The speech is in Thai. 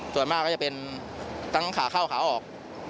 ส่วนมากก็จะเป็นทั้งขาเข้าขาออก